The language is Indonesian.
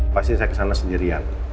pasti saya kesana sendirian